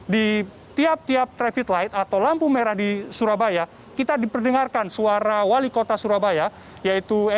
di tiap tiap traffic light atau lampu merah di surabaya kita diperdengarkan suara wali kota surabaya